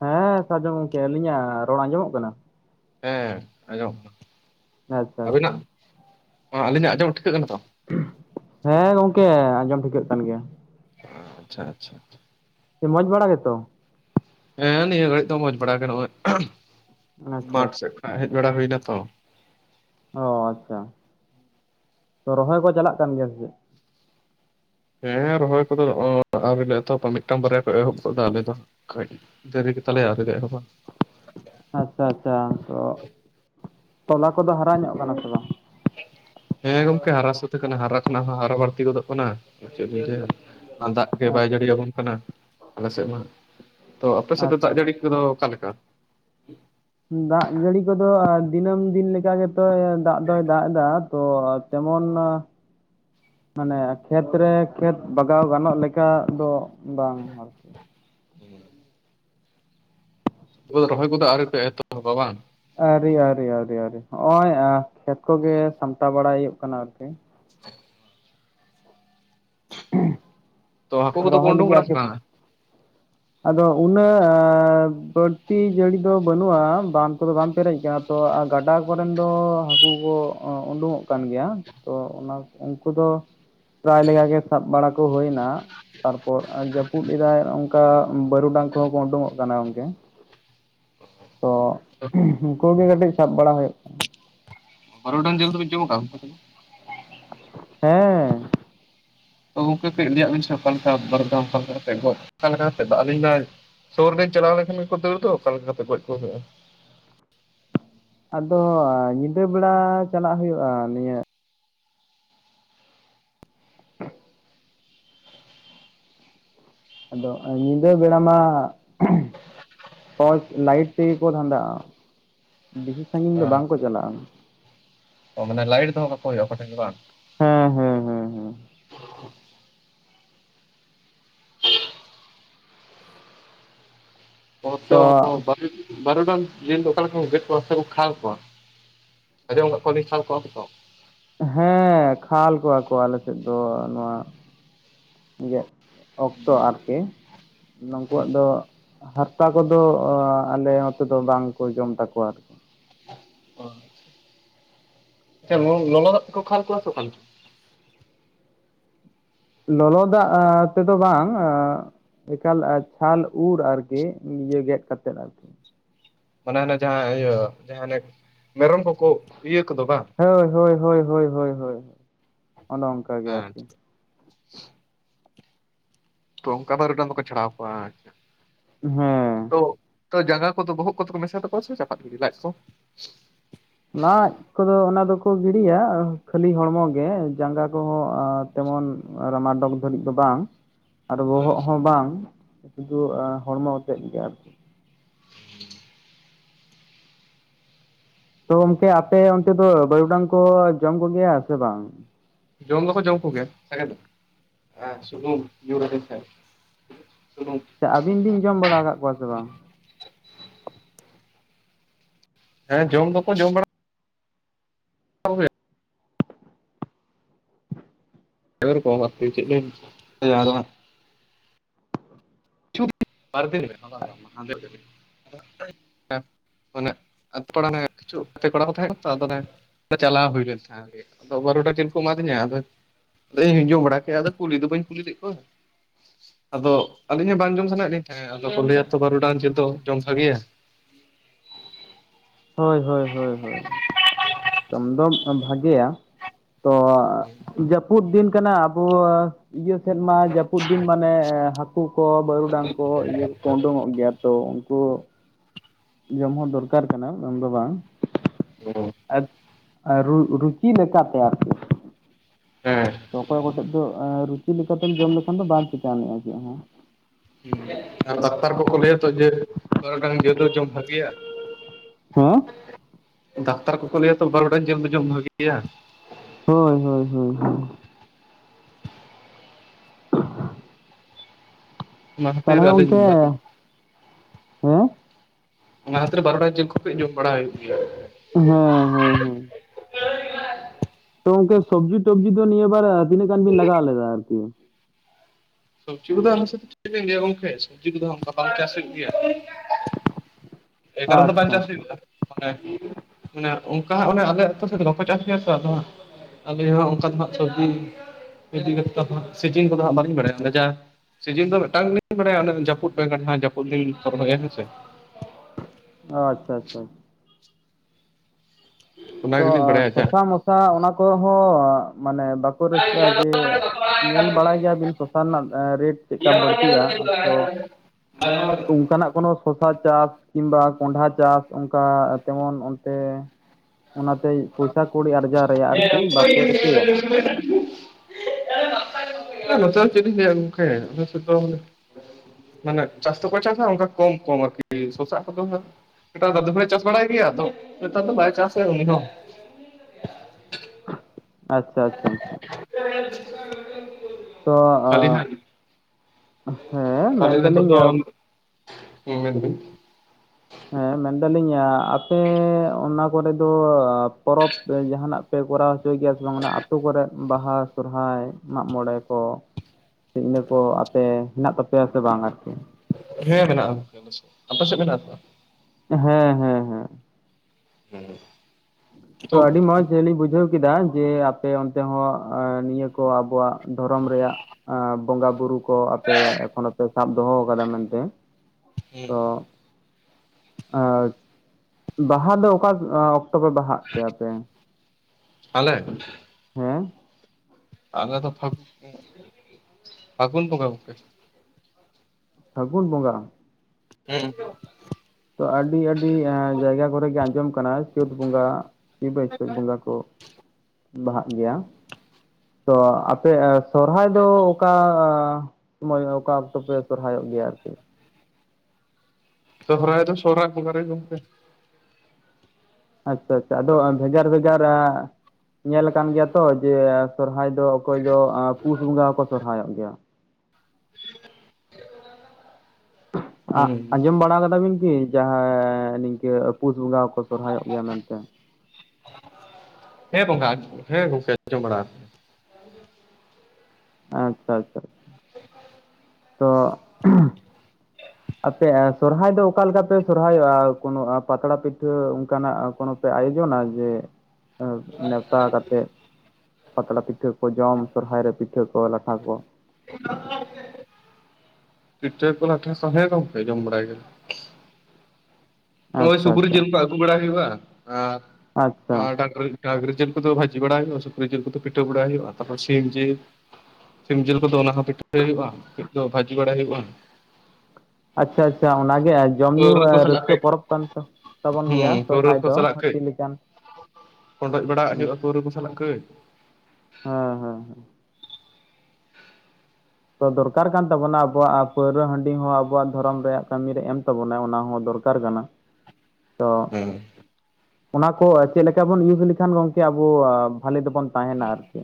ᱦᱮᱸ ᱥᱟᱨᱡᱚᱢ ᱜᱚᱝᱠᱮ ᱟᱹᱞᱤᱧᱟᱜ ᱨᱚᱲ ᱟᱸᱡᱚᱢᱚᱜ ᱠᱟᱱᱟ? ᱦᱮᱸ ᱟᱸᱡᱚᱢ ᱠᱟᱱᱟ ᱟᱪᱪᱷᱟ ᱟᱪᱪᱷᱟ ᱟᱹᱵᱤᱱᱟᱜ, ᱟᱹᱞᱤᱧᱟᱜ ᱟᱸᱡᱚᱢ ᱴᱷᱤᱠᱟᱹᱜ ᱠᱟᱱᱟ ᱛᱚ? ᱦᱮᱸ ᱜᱚᱝᱠᱮ ᱟᱸᱡᱚᱢ ᱴᱷᱤᱠᱟᱹᱜ ᱠᱟᱱ ᱜᱮᱭᱟ᱾ ᱟᱪᱪᱷᱟ ᱪᱷᱟ ᱪᱷᱟ᱾ ᱢᱚᱡ ᱵᱟᱲᱟ ᱜᱮᱛᱚ? ᱦᱮᱸ ᱱᱤᱭᱟᱹ ᱜᱷᱟᱹᱲᱤᱡ ᱫᱚ ᱢᱚᱸᱡ ᱵᱟᱲᱟ ᱜᱮ ᱱᱚᱜᱼᱚᱭ, ᱟᱪᱪᱷᱟ ᱢᱟᱴᱷ ᱟᱪᱪᱷᱟ ᱥᱮᱫ ᱠᱷᱚᱡ ᱦᱮᱡ ᱵᱟᱲᱟ ᱦᱩᱭ ᱱᱟ ᱛᱚ, ᱚ ᱟᱪᱪᱷᱟ ᱛᱚ ᱨᱚᱦᱚᱭ ᱠᱚ ᱪᱟᱞᱟᱜ ᱠᱟᱱ ᱜᱮᱭᱟ ᱥᱮᱪᱮᱫ? ᱦᱮᱸ ᱨᱚᱦᱚᱭ ᱠᱚᱫᱚ ᱱᱚᱜᱼᱚᱭ ᱟᱹᱣᱨᱤ ᱞᱮ ᱮᱛᱚᱦᱚᱵᱟ ᱢᱤᱫᱴᱟᱝ ᱵᱟᱨᱭᱟ ᱠᱚ ᱮᱦᱚᱵ ᱠᱟᱫᱟ, ᱟᱞᱮ ᱫᱚ ᱠᱟᱹᱡ ᱫᱮᱨᱤ ᱜᱮᱛᱟᱞᱮᱭᱟ ᱟᱹᱣᱨᱤ ᱞᱮ ᱮᱦᱚᱵᱟ᱾ ᱟᱪᱪᱷᱟ ᱟᱪᱪᱷᱟ ᱛᱚ ᱛᱚᱞᱟ ᱠᱚᱫᱚ ᱦᱟᱨᱟ ᱧᱚᱜ ᱠᱟᱱᱟ ᱥᱮ ᱵᱟᱝ? ᱦᱮᱸ ᱜᱚᱝᱠᱮ ᱦᱟᱨᱟ ᱥᱟᱹᱛ ᱠᱟᱱᱟ, ᱦᱟᱨᱟ ᱠᱷᱚᱱᱟᱜ ᱦᱚᱸ ᱟᱨᱚ ᱵᱟᱹᱲᱛᱤ ᱜᱚᱫᱚᱜ ᱠᱟᱱᱟ, ᱪᱮᱫ ᱞᱤᱧ ᱞᱟᱹᱭᱟ ᱱᱟ ᱫᱟᱜ ᱜᱮ ᱵᱟᱭ ᱟᱪᱪᱷᱟ ᱡᱟᱹᱲᱤ ᱟᱵᱚᱱ ᱠᱟᱱᱟ ᱟᱞᱮ ᱥᱮᱫ ᱢᱟ, ᱛᱚ ᱟᱯᱮ ᱥᱮᱫ ᱫᱚ ᱟᱪᱪᱷᱟ ᱫᱟᱜ ᱡᱟᱹᱲᱤ [inaudible] ᱫᱚ ᱚᱠᱟ ᱞᱮᱠᱟ? ᱫᱟᱜ ᱡᱟᱹᱲᱤ ᱠᱚᱫᱚ ᱫᱤᱱᱟᱹᱢ ᱫᱤᱱ ᱞᱮᱠᱟ ᱜᱮᱛᱚᱭ ᱫᱟᱜ ᱫᱚᱭ ᱫᱟᱜ ᱫᱟ, ᱛᱚ ᱛᱮᱢᱚᱱ ᱢᱟᱱᱮ ᱠᱷᱮᱛ ᱨᱮ ᱠᱷᱮᱛ ᱵᱟᱜᱟᱣ ᱜᱟᱱᱚᱜ ᱞᱮᱠᱟ ᱫᱚ ᱵᱟᱝ᱾ ᱦᱮᱸ᱾ ᱩᱱᱠᱩ ᱫᱚ ᱨᱚᱦᱚᱭ ᱠᱚᱫᱚ ᱟᱹᱣᱨᱤ ᱯᱮ ᱮᱛᱚᱦᱚᱵᱟ ᱵᱟᱝ? ᱟᱹᱣᱨᱤ ᱟᱹᱣᱨᱤ ᱟᱹᱣᱨᱤ ᱟ. ᱣᱨᱤ ᱦᱚᱸᱜᱼᱚᱭ ᱠᱷᱮᱛ ᱠᱚᱜᱮ ᱥᱟᱢᱴᱟᱣ ᱵᱟᱲᱟᱭ ᱦᱩᱭᱩᱜ ᱠᱟᱱᱟ ᱟᱨᱠᱤ᱾ [inaudible] ᱛᱚ ᱦᱟᱹᱠᱩ ᱠᱚᱫᱚ ᱠᱚ ᱨᱚᱦᱚᱭ ᱩᱰᱩᱝ ᱞᱟᱹᱜᱤᱫ ᱠᱟᱱᱟ ᱥᱮ ᱟᱰᱤ ᱵᱟᱝ ᱟᱫᱚ ᱩᱱᱟᱹᱜ ᱵᱟᱹᱲᱛᱤ ᱡᱟᱹᱲᱤ ᱫᱚ ᱵᱟᱹᱱᱩᱜᱼᱟ ᱵᱟᱸᱫᱽ ᱠᱚᱫᱚ ᱵᱟᱝ ᱯᱮᱨᱮᱡ ᱠᱮᱜᱼᱟ ᱛᱚ ᱟ ᱜᱟᱰᱟ ᱠᱚᱨᱮᱱ ᱫᱚ ᱦᱟᱹᱠᱩ ᱠᱚ ᱳᱰᱳᱚᱸᱜ ᱠᱟᱱ ᱜᱮᱭᱟ ᱛᱚ ᱚᱱᱟ ᱩᱱᱠᱩ ᱫᱚ ᱯᱨᱟᱭ ᱞᱮᱠᱟ ᱜᱮ ᱥᱟᱵ ᱵᱟᱲᱟ ᱠᱚ ᱦᱩᱭᱱᱟ, ᱛᱟᱨᱯᱚᱨ ᱡᱟᱹᱯᱩᱫ ᱮᱫᱟᱭ ᱚᱝᱠᱟ ᱵᱟᱹᱨᱩᱰᱟᱝ ᱠᱚᱦᱚᱸ ᱠᱚ ᱩᱰᱩᱠᱚᱜ ᱠᱟᱱᱟ ᱜᱚᱝᱠᱮ᱾ ᱛᱚ ᱩᱝᱠᱩ ᱜᱮ ᱠᱟᱹᱴᱤᱡ ᱥᱟᱵ ᱵᱟᱲᱟ ᱦᱩᱭᱩᱜ ᱠᱟᱱᱟ᱾ ᱵᱟᱹᱨᱩᱰᱟᱝ ᱡᱤᱞ ᱫᱚᱵᱤᱱ ᱡᱚᱢ ᱠᱟᱜᱼᱟ ᱜᱚᱢᱠᱮ ᱛᱚᱵᱮ? ᱦᱮᱸ᱾ ᱛᱚ ᱜᱚᱝᱠᱮ ᱠᱟᱹᱡ ᱞᱮᱭᱟᱜ ᱵᱤᱱ ᱥᱮ ᱚᱠᱟ ᱞᱮᱠᱟ ᱵᱟᱨᱩᱰᱟᱝ ᱚᱠᱟ ᱠᱟᱛᱮ ᱜᱚᱡ ᱚᱠᱟ ᱞᱮᱠᱟᱛᱮ ᱫᱟᱜ ᱞᱤᱧ ᱫᱟᱭ ᱥᱩᱨ ᱨᱮ ᱪᱟᱞᱟᱣ ᱞᱮᱠᱷᱟᱱ ᱜᱮ ᱠᱚ ᱫᱟᱹᱲ ᱫᱚ ᱚᱠᱟ ᱞᱮᱠᱟᱛᱮ ᱜᱚᱡ ᱠᱚ ᱦᱩᱭᱩᱜᱼᱟ? ᱟᱫᱚ ᱧᱤᱫᱟᱹ ᱵᱮᱲᱟ ᱪᱟᱞᱟᱜ ᱦᱩᱭᱩᱜᱼᱟ ᱱᱤᱭᱟᱹ ᱟᱫᱚ ᱧᱤᱫᱟᱹ ᱵᱮᱲᱟ ᱢᱟ ᱴᱚᱨᱪ ᱞᱟᱭᱤᱴ ᱛᱮᱜᱮ ᱠᱚ ᱫᱷᱟᱸᱫᱟᱜᱼᱟ, ᱵᱮᱥᱤ ᱥᱟᱺᱜᱤᱧ ᱫᱚ ᱵᱟᱝᱠᱚ ᱪᱟᱞᱟᱜᱼᱟ᱾ ᱚ ᱢᱟᱱᱮ ᱞᱟᱭᱤᱴ ᱫᱚᱦᱚᱸ ᱠᱟᱠᱚ ᱠᱚ ᱦᱩᱭᱩᱜᱼᱟ [inaudible] ᱵᱟᱝ? ᱦᱮᱸ ᱦᱮᱸ ᱦᱮᱸ ᱦᱮᱸ᱾ ᱚᱛ ᱛᱮ ᱛᱚ ᱚ [inaudible] ᱵᱟᱨᱩᱴᱟᱝ ᱡᱤᱞ ᱫᱚ ᱚᱠᱟ ᱞᱮᱠᱟ ᱜᱮᱫ ᱠᱚᱣᱟ ᱥᱮᱠᱚ ᱠᱷᱟᱞ ᱠᱚᱣᱟ ᱟᱸᱡᱚᱢ ᱟᱠᱟᱫ ᱞᱤᱧ ᱠᱷᱟᱞ ᱠᱚᱣᱟ ᱠᱚ ᱛᱚ᱾ ᱦᱮᱸ ᱠᱷᱟᱞ ᱠᱚᱣᱟ ᱠᱚ ᱟᱞᱮ ᱥᱮᱫ ᱫᱚ ᱱᱚᱣᱟ ᱤᱭᱟᱹ ᱚᱠᱛᱚ ᱟᱨᱠᱤ ᱱᱩᱠᱩᱣᱟᱜ ᱫᱚ ᱦᱟᱨᱛᱟ ᱠᱚᱫᱚ ᱟᱞᱮ ᱱᱚᱛᱮ ᱫᱚ ᱵᱟᱝᱠᱚ ᱡᱚᱢ ᱛᱟᱠᱚᱣᱟ ᱟᱨ ᱚ ᱟᱪᱪᱷᱟ, ᱪᱮ ᱞᱚᱞᱚ ᱫᱟᱜ ᱛᱮᱠᱚ ᱠᱷᱟᱞ ᱠᱚᱣᱟ ᱥᱮ ᱚᱠᱟ ᱠᱮᱠᱟ? ᱞᱚᱞᱚ ᱫᱟᱜ ᱮ ᱛᱮᱫᱚ ᱵᱟᱝ ᱮ ᱮᱠᱟᱞ ᱪᱷᱟᱞ ᱩᱨ ᱟᱨᱠᱤ ᱱᱤᱭᱟᱹ ᱜᱮᱫ ᱠᱟᱛᱮᱜ ᱟᱨᱠᱤ᱾ ᱢᱟᱱᱮ ᱚᱱᱮ ᱡᱟᱦᱟᱸ ᱤᱭᱟᱹ ᱡᱟᱦᱟᱸ ᱟᱱᱮ ᱢᱮᱨᱚᱢ ᱠᱚᱠᱚ ᱤᱭᱟᱹ ᱠᱚᱫᱚ ᱵᱟᱝ? ᱦᱳᱭ ᱦᱳᱭ ᱦᱳᱭ ᱦᱳᱭ ᱦᱳᱭ ᱦᱳᱭ ᱚᱱᱮ ᱚᱱᱠᱟ ᱜᱮ ᱦᱮᱸ ᱟᱨᱠᱤ, ᱛᱚ ᱚᱱᱠᱟ ᱵᱟᱨᱫᱚᱢ ᱫᱚ ᱠᱚ ᱪᱷᱟᱲᱟᱣ ᱠᱚᱣᱟ ᱟᱪᱪᱷᱟ᱾ ᱦᱮᱸ, ᱛᱚ ᱡᱟᱸᱜᱟ ᱠᱚᱫᱚ ᱵᱚᱦᱚᱜ ᱠᱚᱫᱚ ᱠᱚ ᱢᱮᱥᱟ ᱛᱟᱠᱚᱣᱟ ᱥᱮ ᱪᱟᱯᱟᱫ ᱜᱤᱰᱤ ᱞᱟᱡ ᱠᱚ? ᱞᱟᱡ ᱠᱚᱫᱚ ᱚᱱᱟ ᱫᱚᱠᱚ ᱜᱤᱰᱤᱭᱟ ᱠᱷᱟᱹᱞᱤ ᱦᱚᱲᱢᱚ ᱜᱮ ᱡᱟᱸᱜᱟ ᱠᱚᱦᱚᱸ ᱟᱨ, ᱛᱮᱢᱚᱱ ᱨᱟᱢᱟ ᱰᱚᱜ ᱫᱷᱟᱹᱨᱤᱡ ᱫᱚ ᱵᱟᱝ᱾ ᱟᱨᱚ ᱵᱚᱦᱚᱜ ᱦᱚᱸ ᱵᱟᱝ ᱥᱩᱫᱷᱩ ᱦᱚᱲᱢᱚ ᱛᱮᱫ ᱜᱮ ᱟᱨᱠᱤ᱾ [inaudible] ᱛᱚ ᱜᱚᱝᱠᱮ ᱟᱯᱮ ᱚᱱᱛᱮ ᱫᱚ ᱵᱟᱹᱨᱩᱰᱟᱝ ᱠᱚ ᱡᱚᱢ ᱠᱚᱜᱮᱭᱟ ᱥᱮ ᱵᱟᱝ? ᱡᱚᱢ ᱫᱚᱠᱚ ᱡᱚᱢ ᱠᱚ ᱜᱮᱭᱟ ᱥᱟᱜᱮᱱ ᱟᱨ ᱥᱩᱱᱩᱢ ᱧᱩᱨ ᱞᱮᱱ ᱞᱮᱱᱠᱷᱟᱡ᱾ ᱥᱩᱱᱩᱢ, ᱟᱪᱪᱷᱟ ᱟᱹᱵᱤᱱ ᱵᱤᱱ ᱡᱚᱢ ᱵᱟᱲᱟ ᱟᱠᱟᱜ ᱠᱚᱣᱟ ᱥᱮ ᱵᱟᱝ? ᱦᱮᱸ ᱡᱚᱢ ᱫᱚᱠᱚ ᱡᱚᱢ ᱵᱟᱲᱟ, ᱠᱚ ᱜᱮᱭᱟ᱾ ᱵᱟᱨ ᱠᱚ ᱟᱯᱮ ᱴᱷᱮᱜ ᱜᱮ ᱪᱮᱜ ᱜᱮ ᱡᱟᱦᱟᱸ ᱫᱚ ᱦᱟᱸᱜ, ᱡᱩᱫᱤ ᱵᱟᱨ ᱯᱮ [unintelligible] ᱢᱟᱱᱮ ᱟᱛᱳ ᱯᱟᱲᱟ ᱦᱟᱱᱮ ᱠᱤᱪᱷᱩ ᱜᱟᱛᱮ ᱠᱚᱲᱟ ᱠᱚ ᱛᱟᱦᱮ ᱠᱟᱱᱟ ᱛᱚ ᱟᱫᱚ ᱚᱱᱮ ᱪᱟᱞᱟᱣ ᱦᱩᱭ ᱞᱮᱱ ᱛᱟᱦᱮᱸᱫ, ᱟᱫᱚ ᱵᱟᱨᱩᱰᱟᱝ ᱡᱮᱞ ᱠᱚ ᱮᱢᱟᱫᱤᱧᱟ ᱟᱫᱚ ᱤᱧᱦᱚᱧ ᱡᱚᱢ ᱵᱟᱲᱟ ᱠᱮᱜᱼᱟ ᱟᱫᱚ ᱠᱩᱞᱤ ᱫᱚ ᱵᱟᱹᱧ ᱠᱩᱞᱤ ᱞᱮᱜ ᱠᱚᱣᱟ᱾ ᱟᱫᱚ ᱟᱹᱞᱤᱧ ᱦᱚᱸ ᱵᱟᱝ ᱡᱚᱢ ᱥᱟᱱᱟᱭᱮᱜ ᱞᱤᱧ ᱛᱟᱦᱮᱜ ᱟᱫᱚ ᱠᱚ ᱞᱟᱹᱭᱟ ᱛᱚ ᱵᱟᱨᱩᱰᱟᱝ ᱡᱮᱞ ᱫᱚ ᱡᱚᱢ ᱵᱷᱟᱜᱮᱭᱟ, ᱦᱳᱭ ᱦᱳᱭ ᱦᱳᱭ ᱦᱳᱭ ᱡᱚᱢ ᱫᱚ ᱵᱷᱟᱜᱮᱭᱟ ᱛᱚ, ᱡᱟᱹᱯᱩᱫ ᱫᱤᱱ ᱠᱟᱱᱟ ᱟᱵᱚ ᱤᱭᱟᱹ᱾ ᱟᱞᱮ ᱥᱮᱫ ᱢᱟ ᱡᱟᱹᱯᱩᱫ ᱫᱤᱱ ᱢᱟᱱᱮ ᱦᱟᱹᱠᱩ ᱠᱚ ᱵᱟᱹᱨᱩᱰᱟᱝ ᱠᱚ ᱤᱭᱟᱹ ᱠᱚᱠᱚ ᱩᱰᱸᱩᱝᱚᱜ ᱜᱮᱭᱟ ᱛᱚ, ᱠᱚ ᱡᱚᱢ ᱦᱚᱸ ᱫᱚᱨᱠᱟᱨ ᱠᱟᱱᱟ ᱵᱟᱝ ᱫᱚ ᱵᱟᱝ, ᱦᱩᱸ, ᱟᱨ ᱟᱨᱚ ᱨᱩᱪᱤ ᱞᱮᱠᱟ ᱛᱮ ᱟᱨ ᱠᱤ᱾ ᱦᱮᱸ ᱛᱚ ᱚᱠᱚᱭ ᱠᱚᱴᱷᱮᱡ ᱫᱚ ᱨᱩᱪᱤ ᱞᱮᱠᱟᱛᱮᱢ ᱡᱚᱢ ᱞᱮᱠᱷᱟᱱ ᱫᱚ ᱵᱟᱝ ᱪᱤᱠᱟ ᱢᱮᱭᱟ ᱡᱮ ᱦᱮᱸ᱾ ᱤᱭᱟᱹ ᱟᱨ ᱰᱟᱠᱛᱟᱨ ᱠᱚᱠᱚ ᱞᱟᱹᱭᱟᱛᱚ ᱡᱮ ᱵᱟᱹᱨᱩᱰᱟᱝ ᱡᱮᱞ ᱫᱚ ᱡᱚᱢ ᱵᱷᱟᱜᱮᱭᱟ᱾ ᱦᱮᱸ ᱰᱟᱠᱛᱟᱨ ᱠᱚᱠᱚ ᱞᱟᱹᱭᱟ ᱛᱚ ᱵᱟᱨᱩᱰᱟᱝ ᱡᱮᱞ ᱫᱚ ᱡᱚᱢ ᱵᱷᱟᱜᱮ ᱜᱮᱭᱟ᱾ ᱦᱳᱭ ᱦᱳᱭ ᱦᱳᱭ ᱦᱳᱭ᱾ ᱚᱱᱟ ᱠᱷᱟᱛᱤᱨ ᱛᱟᱦᱚᱞᱮ ᱟᱞᱤᱧ ᱜᱚᱝᱠᱮ ᱵᱟᱞᱤᱧ, ᱦᱮᱸ ᱚᱱᱟ ᱠᱷᱟᱹᱛᱤᱨ ᱵᱟᱨᱩᱰᱟᱝ ᱡᱤᱞ ᱠᱚ [unintelligible] ᱡᱚᱢ ᱵᱟᱲᱟ ᱦᱩᱭᱩᱜ ᱜᱮᱭᱟ᱾ ᱦᱚᱸ, ᱛᱚ ᱜᱚᱝᱠᱮ ᱥᱚᱵᱽᱡᱤ ᱴᱚᱵᱡᱤ ᱫᱚ ᱱᱤᱭᱟᱹ ᱵᱟᱨ ᱛᱤᱱᱟᱹᱜ ᱜᱟᱱ ᱵᱤᱱ ᱞᱟᱜᱟᱣ ᱞᱮᱫᱟ ᱟᱨᱠᱤ, ᱥᱚᱵᱡᱤ ᱠᱚᱫᱚ ᱪᱮᱫ ᱞᱤᱧ ᱞᱟᱹᱭᱼᱟ ᱜᱚᱝᱠᱮ ᱥᱚᱵᱡᱤ ᱠᱚ ᱫᱚ ᱚᱱᱠᱟ ᱵᱟᱝ ᱪᱟᱥ ᱦᱩᱭᱩᱜ ᱜᱮᱭᱟ᱾ [inaudible] ᱮᱠᱟᱨᱚᱱ ᱫᱚ ᱵᱟᱝ ᱪᱟᱥ ᱦᱩᱭᱩᱜ ᱟᱪᱪᱷᱟ ᱜᱮᱭᱟ᱾ ᱢᱟᱱᱮ ᱢᱟᱱᱮ ᱚᱱᱠᱟ ᱦᱟᱸᱜ ᱚᱱᱮ ᱟᱞᱮ ᱟᱹᱛᱩ ᱥᱮᱫ ᱵᱟᱠᱚ ᱪᱟᱥ ᱜᱮᱭᱟ ᱛᱚ ᱟᱫᱚ ᱦᱟᱸᱜ, ᱟᱞᱤᱧ ᱦᱚᱸ ᱚᱱᱠᱟ ᱫᱚ ᱦᱟᱸᱜ ᱥᱚᱵᱡᱤ ᱤᱫᱤ ᱠᱟᱛᱮᱫ ᱟᱫᱚ ᱦᱟᱸᱜ ᱥᱮᱴᱤᱝ ᱠᱚᱫᱚ ᱦᱟᱸᱜ ᱵᱟᱹᱞᱤᱧ ᱵᱟᱰᱟᱭᱟ᱾ ᱨᱟᱡᱟ ᱥᱤᱡᱤᱱ ᱫᱚ ᱢᱤᱫᱴᱟᱝ ᱜᱮᱞᱤᱧ ᱵᱟᱰᱟᱭᱟ ᱚᱱᱮ ᱡᱟᱹᱯᱩᱫ ᱴᱟᱭᱤᱢ ᱟᱸᱜ ᱠᱷᱟᱱ ᱡᱟᱹᱯᱩᱫ ᱫᱤᱱ ᱯᱚᱨ ᱦᱮᱸ ᱥᱮ, ᱚ ᱟᱪᱪᱷᱟ ᱟᱪᱪᱷᱟ᱾ ᱚᱱᱟ ᱛᱚ ᱜᱮᱞᱤᱧ ᱵᱟᱲᱟᱭᱟ ᱡᱟ ᱥᱚᱥᱟ ᱢᱚᱥᱟ ᱚᱱᱟ ᱠᱚᱦᱚᱸ ᱢᱟᱱᱮ ᱵᱟᱠᱚ ᱨᱟᱹᱥᱠᱟᱹᱜᱼᱟ ᱡᱮ, ᱧᱮᱞ ᱵᱟᱲᱟᱭ ᱜᱮᱭᱟᱵᱤᱱ ᱥᱚᱥᱟ ᱨᱮᱱᱟᱜ ᱨᱮᱴ ᱪᱮᱜᱠᱟ ᱵᱟᱹᱲᱛᱤᱜᱼᱟ ᱛᱚ, ᱚᱱᱠᱟᱱᱟᱜ ᱠᱚᱱᱳ, ᱠᱷᱚᱥᱟ ᱪᱟᱥ ᱠᱤᱢᱵᱟ ᱠᱚᱱᱰᱦᱷᱟ ᱪᱟᱥ ᱚᱱᱠᱟ ᱛᱮᱢᱚᱱ ᱚᱱᱛᱮ, ᱚᱱᱟᱛᱮ ᱯᱚᱭᱥᱟ ᱠᱩᱲᱤ ᱟᱨᱡᱟᱣ ᱨᱮᱭᱟᱜ ᱦᱮᱸ ᱟᱨᱠᱤ ᱱᱚᱛᱮ ᱵᱟᱯᱮ ᱨᱤᱠᱟᱹᱭᱟ᱾ ᱱᱚᱛᱮ ᱦᱚᱸ ᱪᱮᱫ ᱤᱧ ᱞᱟᱹᱭᱟ ᱜᱚᱝᱠᱮ ᱟᱞᱮ ᱥᱮᱫ ᱫᱚ᱾ ᱢᱟᱱᱮ ᱪᱟᱥ ᱫᱚᱠᱚ ᱪᱟᱥᱼᱟ ᱚᱱᱠᱟ ᱠᱚᱢ ᱠᱚᱢ ᱟᱨᱠᱤ ᱥᱚᱥᱟ ᱠᱚᱫᱚ ᱦᱟᱸᱜ᱾ ᱱᱮᱛᱟᱨ ᱫᱚ ᱵᱟᱭ ᱪᱟᱥ ᱵᱟᱲᱟᱭ ᱜᱮᱭᱟ ᱛᱚ ᱱᱮᱛᱟᱨ ᱫᱚ ᱵᱟᱭ ᱪᱟᱥᱮᱜᱼᱟ ᱩᱱᱤ ᱦᱚᱸ᱾ ᱟᱪᱪᱷᱟ ᱟᱪᱪᱷᱟ᱾ [unintelligible] ᱛᱚ ᱟᱸ ᱛᱟᱦᱞᱮ ᱱᱤᱛᱚ ᱫᱚ ᱢᱮᱱᱫᱟᱹᱧ᱾ ᱦᱮᱸ ᱢᱮᱱᱫᱟᱞᱤᱧ ᱟᱯᱮ ᱚᱱᱟ᱾ ᱠᱚᱨᱮ ᱫᱚ ᱯᱚᱨᱚᱵᱽ ᱡᱟᱦᱟᱱᱟᱜ ᱯᱮ ᱠᱚᱨᱟᱣ ᱦᱚᱪᱚᱭ ᱜᱮᱭᱟ ᱥᱮ ᱵᱟᱝ ᱚᱱᱮ ᱟᱛᱳ ᱠᱚᱨᱮ ᱵᱟᱦᱟ᱾ ᱥᱚᱨᱦᱟᱭ ᱢᱟᱜ ᱢᱚᱬᱮ ᱠᱚ ᱤᱱᱟᱹ ᱠᱚ ᱟᱯᱮ ᱦᱮᱱᱟᱜ ᱛᱟᱯᱮᱭᱟ ᱥᱮ ᱵᱟᱝ ᱟᱨᱠᱤ᱾ ᱦᱮᱸ, ᱢᱮᱱᱟᱜᱼᱟ ᱜᱚᱝᱠᱮ ᱟᱞᱮ ᱥᱮᱱ, ᱟᱯᱮ ᱥᱮᱫ ᱢᱮᱱᱟᱜ ᱟᱥᱮ ᱵᱟᱝ? ᱦᱮᱸ ᱦᱮᱸ ᱾ ᱦᱩᱸ ᱾ ᱛᱚ ᱟᱹᱰᱤ ᱢᱚᱸᱡᱽ ᱟᱹᱞᱤ ᱵᱩᱡᱷᱟᱹᱣ᱾ ᱠᱮᱫᱟ ᱡᱮ ᱟᱯᱮ ᱚᱱᱛᱮ ᱦᱚᱸ ᱱᱤᱭᱟᱹ ᱠᱚ ᱟᱵᱚᱣᱟᱜ ᱫᱷᱚᱨᱚᱢ ᱨᱮᱭᱟᱜ᱾ ᱮ ᱵᱚᱸᱜᱟ ᱵᱩᱨᱩ ᱠᱚ᱾ ᱟᱯᱮ ᱮᱠᱷᱚᱱᱚ ᱯᱮ ᱥᱟᱵ ᱫᱚᱦᱚ ᱟᱠᱟᱫᱟ ᱢᱮᱱᱛᱮ, ᱛᱚ᱾ ᱚ ᱵᱟᱦᱟ ᱫᱚ ᱚᱠᱟ ᱚᱠᱛᱚ ᱯᱮ ᱵᱟᱦᱟᱜ ᱯᱮ ᱟᱯᱮ? ᱟᱞᱮ? ᱦᱮᱸ ᱟᱞᱮ ᱫᱚ ᱯᱷᱟ ᱯᱷᱟᱜᱩᱱ ᱵᱚᱸᱜᱟ ᱜᱚᱝᱠᱮ ᱾ ᱯᱷᱟᱹᱜᱩᱱ ᱵᱚᱸᱜᱟ ᱾ ᱦᱮᱸ᱾ ᱛᱚ ᱟᱹᱰᱤ ᱟᱹᱰᱤ ᱡᱟᱭᱜᱟ ᱠᱚᱨᱮ ᱜᱮ ᱟᱸᱡᱚᱢ ᱠᱟᱱᱟ ᱪᱟᱹᱛ ᱵᱚᱸᱜᱟ ᱾ ᱠᱤ ᱵᱟᱹᱭᱥᱟᱹᱠ ᱵᱚᱸᱜᱟ ᱠᱚ ᱵᱟᱦᱟᱜ ᱜᱮᱭᱟ ᱛᱚ, ᱟᱯᱮ᱾ ᱥᱚᱨᱦᱟᱭ ᱫᱚ ᱚᱠᱟ ᱥᱚᱢᱚᱭ ᱚᱠᱟ, ᱚᱠᱛᱚ ᱯᱮ ᱥᱚᱨᱦᱟᱭᱚᱜ ᱜᱮᱭᱟ ᱟᱨᱠᱤ? ᱥᱚᱨᱚᱦᱟᱭ ᱫᱚ ᱥᱚᱨᱚᱦᱟᱭ ᱵᱚᱸᱜᱟᱨᱮ ᱜᱮ ᱜᱚᱝᱠᱮ ᱾ ᱟᱪᱪᱷᱟ ᱟᱪᱪᱷᱟ ᱟᱫᱚ ᱵᱷᱮᱜᱟᱨ ᱵᱷᱮᱜᱟᱨ ᱧᱮᱞ ᱟᱠᱟᱱ ᱜᱮᱭᱟ ᱛᱚ ᱡᱮ ᱥᱚᱨᱦᱟᱭ᱾ ᱫᱚ ᱚᱠᱚᱭ ᱫᱚ ᱯᱩᱥ ᱵᱚᱸᱜᱟ ᱦᱚᱸᱠᱚ ᱥᱚᱨᱦᱟᱭᱚᱜ ᱜᱮᱭᱟ ᱾ [unintelligible] ᱟᱸ ᱦᱩᱸ ᱟᱡᱚᱢ ᱵᱟᱲᱟ ᱠᱟᱫᱟ ᱵᱤᱱ ᱠᱤ᱾ ᱡᱟᱸᱦᱟ ᱱᱤᱝᱠᱟᱹ ᱯᱩᱥ ᱵᱚᱸᱜᱟ ᱦᱚᱸᱠᱚ ᱥᱚᱨᱦᱟᱭᱚᱜ ᱜᱮᱭᱟ ᱢᱮᱱᱛᱮ᱾ ᱦᱮᱸ ᱵᱚᱸᱜᱟ, ᱦᱮᱸ ᱜᱚᱝᱠᱮ ᱟᱸᱡᱚᱢ ᱵᱟᱲᱟ᱾ ᱟᱪᱪᱷᱟ ᱟᱪᱪᱷᱟ ᱛᱚ᱾ ᱟᱯᱮ ᱥᱚᱨᱦᱟᱭ ᱫᱚ ᱚᱠᱟ ᱞᱮᱠᱟ ᱯᱮ ᱥᱚᱨᱦᱟᱭᱚᱜᱼᱟ ᱠᱳᱱᱳ ᱯᱟᱛᱲᱟ ᱯᱤᱴᱷᱟᱹ ᱚᱱᱠᱟ ᱱᱟᱜ ᱠᱳᱱᱳ? ᱟᱭᱳᱡᱚᱱᱟ ᱡᱮ᱾ ᱱᱮᱣᱛᱟ ᱠᱟᱛᱮ ᱯᱟᱛᱲᱟ ᱯᱤᱴᱷᱟᱹ ᱠᱚ ᱡᱚᱢ ᱥᱚᱨᱦᱟᱭ ᱨᱮ ᱯᱤᱴᱷᱟᱹ ᱠᱚ ᱞᱟᱴᱷᱟ ᱠᱚ᱾ ᱯᱤᱴᱷᱟᱹ ᱠᱚ ᱞᱟᱴᱷᱟ ᱦᱮᱸ ᱜᱚᱝᱠᱮ ᱡᱚᱢ ᱵᱟᱲᱟᱭ ᱜᱮ ᱾ ᱦᱳᱭ ᱟᱪᱪᱷᱟ ᱥᱩᱠᱨᱤ ᱟᱪᱪᱷᱟ ᱡᱤᱞ ᱠᱚ ᱟᱹᱜᱩ ᱵᱟᱲᱟ ᱦᱩᱭᱩᱜᱼᱟ ᱟᱪᱪᱷᱟ ᱟᱨ ᱰᱟᱝᱨᱤ᱾ ᱰᱟᱝᱨᱤ ᱡᱤᱞ ᱠᱚ ᱫᱚ ᱵᱷᱟᱹᱡᱤ ᱵᱟᱲᱟᱭ ᱦᱩᱭᱩᱜᱼᱟ ᱥᱩᱠᱨᱤ ᱡᱤᱞ ᱠᱚ ᱫᱚ ᱯᱤᱴᱟᱹ ᱵᱟᱲᱟᱭ ᱦᱩᱭᱩᱜᱼᱟ ᱛᱟᱯᱚᱨᱮ ᱥᱤᱢ ᱡᱤᱞ᱾ ᱥᱤᱢ ᱡᱤᱞ ᱠᱚᱫᱚ ᱚᱱᱟ ᱦᱚᱸ ᱯᱤᱴᱷᱟᱹ ᱦᱩᱭᱩᱜᱼᱟ ᱠᱟᱹᱡ ᱫᱚ ᱵᱷᱟᱹᱡᱤ ᱵᱟᱲᱟᱭ ᱦᱩᱭᱩᱜᱼᱟ ᱾ ᱟᱪᱪᱷᱟ ᱟᱪᱪᱷᱟ, ᱚᱱᱟ ᱜᱮ ᱡᱚᱢ ᱧᱩ ᱯᱟᱹᱣᱨᱟᱹ ᱠᱚ ᱥᱟᱞᱟᱜ ᱨᱟᱹᱥᱠᱟᱹ ᱠᱟᱹᱡ ᱯᱚᱨᱚᱵᱽ ᱠᱟᱱ ᱛᱚ ᱾ ᱛᱟᱵᱚᱱ ᱜᱮᱭᱟ ᱦᱩᱸ ᱯᱟᱹᱣᱨᱟᱹ ᱥᱚᱨᱦᱟᱭ ᱠᱚ ᱫᱚ ᱥᱟᱞᱟᱜ ᱠᱟᱹᱡ ᱦᱟᱹᱛᱤ ᱞᱮᱠᱟᱱ ᱠᱚᱸᱰᱚᱡ ᱵᱟᱲᱟᱜ ᱦᱩᱸ᱾ ᱦᱩᱭᱩᱜᱼᱟ ᱯᱟᱹᱣᱨᱟᱹ ᱠᱚ ᱥᱟᱞᱟᱜ ᱠᱟᱹᱡ ᱦᱮᱸ ᱦᱮᱸ ᱦᱮᱸ ᱾ ᱛᱚ ᱫᱚᱨᱠᱟᱨ ᱠᱟᱱ ᱛᱟᱵᱚᱱᱟ ᱟᱵᱚᱣᱟᱜ ᱯᱟᱹᱣᱨᱟᱹ ᱦᱟᱺᱰᱤ ᱦᱚᱸ ᱟᱵᱚᱣᱟᱜ ᱫᱷᱚᱨᱚᱢ ᱨᱮᱭᱟᱜ ᱠᱟᱹᱢᱤᱨᱮ ᱮᱢ ᱛᱟᱵᱚᱱᱟᱭ ᱚᱱᱟ ᱦᱚᱸ ᱫᱚᱨᱠᱟᱨ ᱾ ᱫᱚᱨᱠᱟᱨ ᱠᱟᱱᱟ ᱛᱚ᱾ ᱦᱮᱸ᱾ ᱚᱱᱟ ᱠᱚ ᱪᱮᱫ ᱞᱮᱠᱟ ᱵᱚᱱ ᱤᱭᱩᱡᱽ ᱞᱮᱠᱷᱟᱱ ᱜᱚᱝᱠᱮ ᱟᱵᱚ ᱵᱷᱟᱹᱞᱤ ᱫᱚᱵᱚᱱ ᱛᱟᱦᱮᱱᱟ ᱟᱨᱠᱤ?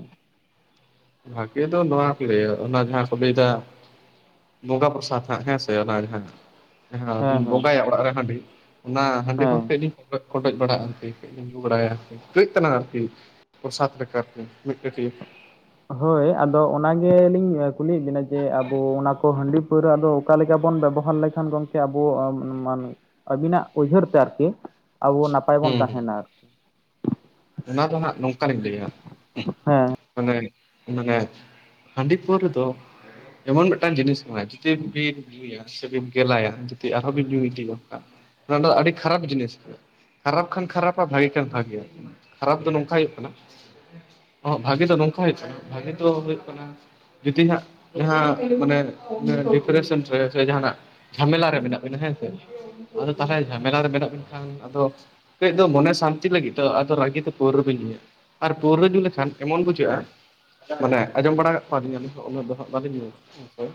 ᱵᱷᱟᱜᱤ ᱫᱚ ᱱᱚᱣᱟ ᱠᱚ ᱞᱟᱹᱭᱟ ᱚᱱᱟ ᱡᱟᱦᱟᱸ ᱠᱚ ᱞᱟᱹᱭᱮᱫᱟ, ᱵᱚᱸᱜᱟ ᱯᱨᱚᱥᱟᱫᱽ ᱦᱟᱸᱜ ᱦᱮᱸ ᱥᱮ ᱚᱱᱟᱜᱮ ᱦᱟᱸᱜ ᱦᱮᱸ, ᱟᱫᱚᱧ ᱵᱚᱸᱜᱟᱭᱟ ᱚᱲᱟᱜ ᱨᱮ ᱦᱟᱺᱰᱤ ᱚᱱᱟ ᱦᱟᱺᱰᱤ [unintelligible] ᱦᱮᱸ ᱞᱤᱧ ᱵᱚᱸᱜᱟᱭ᱾ ᱵᱚᱰᱚᱡ ᱵᱟᱲᱟᱜᱼᱟ ᱟᱨᱠᱤ ᱠᱟᱹᱡ ᱵᱟᱲᱟᱭᱟ ᱟᱨᱠᱤ ᱠᱟᱹᱡ ᱛᱟᱞᱟᱝ ᱟᱨᱠᱤ᱾ ᱯᱨᱚᱥᱟᱛ ᱞᱮᱠᱟ ᱟᱨᱠᱤ ᱢᱤᱫ ᱠᱟᱹᱴᱤᱜ᱾ ᱦᱳᱭ, ᱟᱫᱚ ᱚᱱᱟ ᱜᱮ ᱞᱤᱧ ᱠᱩᱞᱤᱭᱮᱫ ᱵᱮᱱᱟ ᱡᱮ ᱟᱵᱚ ᱚᱱᱟᱠᱚ ᱦᱟᱺᱰᱤ ᱯᱟᱹᱣᱨᱟᱹᱫᱚ, ᱚᱠᱟ ᱞᱮᱠᱟ ᱵᱚᱱ ᱵᱮᱵᱚᱦᱟᱨ ᱞᱮᱠᱷᱟᱱ ᱜᱚᱝᱠᱮ ᱟᱵᱚ ᱟᱹᱵᱤᱱᱟᱜ ᱩᱭᱦᱟᱹᱨ ᱛᱮ ᱟᱨᱠᱤ, ᱟᱵᱚ ᱱᱟᱯᱟᱭ ᱵᱚᱱ ᱦᱩᱸ ᱦᱩᱸ ᱛᱟᱦᱮᱱᱟ ᱟᱨᱠᱤ᱾ ᱚᱱᱟ ᱫᱚ ᱦᱟᱸᱜ ᱱᱚᱝᱠᱟ ᱞᱤᱧ ᱞᱟᱹᱭᱟ, ᱦᱮᱸ ᱢᱟᱱᱮ ᱢᱟᱱᱮ ᱦᱟᱺᱰᱤ ᱯᱟᱹᱣᱨᱟᱹ ᱫᱚ, ᱮᱢᱚᱱ ᱢᱤᱫᱴᱟᱝ ᱡᱤᱱᱤᱥ ᱠᱟᱱᱟ ᱪᱤᱴᱤ ᱵᱩᱴᱤ, ᱧᱩᱭᱟ ᱥᱮᱵᱤᱱ ᱜᱮᱞᱟᱭᱟ ᱡᱩᱫᱤ ᱟᱨᱦᱚᱸ ᱵᱤᱱ ᱧᱩᱭ ᱤᱫᱤᱭᱟ ᱚᱱᱠᱟ ᱚᱱᱟ ᱫᱚ ᱟᱹᱰᱤ ᱠᱷᱟᱨᱟᱯ ᱡᱤᱱᱤᱥ ᱠᱟᱱᱟ᱾ ᱠᱷᱟᱨᱟᱯ ᱠᱷᱟᱱ ᱠᱷᱟᱨᱟᱯᱟ ᱵᱷᱟᱹᱜᱤ ᱠᱷᱟᱱ ᱵᱷᱟᱹᱜᱮᱭᱟ, ᱠᱷᱟᱨᱟᱯ ᱫᱚ ᱱᱚᱝᱠᱟ ᱦᱩᱭᱩᱜ ᱠᱟᱱᱟ, ᱚ ᱟᱜᱮ ᱫᱚ ᱱᱚᱝᱠᱟ ᱦᱩᱭᱩᱜ ᱠᱟᱱᱟ ᱵᱷᱟᱜᱮ ᱫᱚ ᱦᱩᱭᱩᱜ ᱠᱟᱱᱟ, ᱡᱩᱫᱤ ᱦᱸᱟᱜ ᱡᱟᱦᱟᱸ ᱢᱟᱱᱮ ᱰᱤᱯᱨᱮᱥᱚᱱ ᱨᱮ ᱥᱮ ᱡᱟᱦᱟᱱᱟᱜ, ᱡᱷᱟᱢᱮᱞᱟ ᱨᱮ ᱢᱮᱱᱟᱜ ᱵᱮᱱᱟ ᱦᱮᱸ ᱥᱮ, ᱟᱫᱚ ᱛᱟᱞᱦᱮ ᱡᱷᱟᱢᱮᱞᱟ ᱨᱮ ᱢᱮᱱᱟᱜ ᱵᱮᱱ ᱠᱷᱟᱱ ᱟᱫᱚ ᱠᱟᱹᱡ ᱫᱚ ᱢᱚᱱᱮ ᱥᱟᱱᱛᱤ ᱞᱟᱹᱜᱤᱫ ᱫᱚ ᱟᱫᱚ, ᱵᱷᱟᱜᱮ ᱛᱮ ᱯᱟᱹᱣᱨᱟᱹ ᱵᱤᱱ ᱧᱩᱭᱟ ᱟᱨ ᱯᱟᱹᱣᱨᱟᱹ ᱧᱩ ᱞᱮᱠᱷᱟᱱ ᱮᱢᱚᱱ ᱵᱩᱡᱷᱟᱹᱜᱼᱟ, ᱢᱟᱱᱮ ᱟᱸᱡᱚᱢ ᱵᱟᱲᱟ ᱠᱟᱜ ᱠᱚᱣᱟ ᱞᱤᱧ ᱟᱞᱤᱧ ᱩᱱᱟᱹᱜ ᱫᱚ ᱦᱟᱜ ᱵᱟᱞᱤᱧ ᱧᱩᱭᱟ᱾